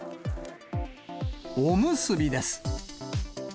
おむすびです。